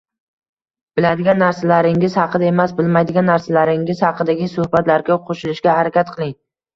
Biladigan narsalaringiz haqida emas, bilmaydigan narsalaringiz haqidagi suhbatlarga qo’shilishga harakat qiling